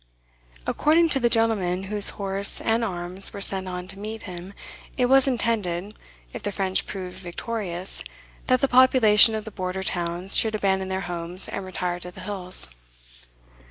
According to the gentleman whose horse and arms were sent on to meet him, it was intended, if the French proved victorious, that the population of the Border towns should abandon their homes and retire to the hills.